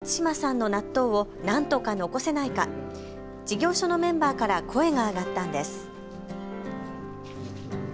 おいしくて大好きだった松嶋さんの納豆をなんとか残せないか、事業所のメンバーから声が上がったんです。